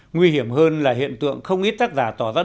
nguy hiểm hơn là hiện tượng không ít tác giả tỏ ra